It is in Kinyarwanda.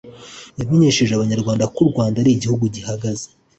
yamenyesheje Abanyarwanda ko u Rwanda ari Igihugu gihagaze